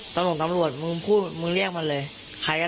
ต้องต้องตำรวจมึงพูดมึงเรียกมันเลยใครก็ได้